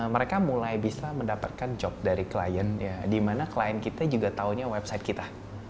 mereka mulai bisa mendapatkan job dari klien dimana klien kita juga tahunya website kita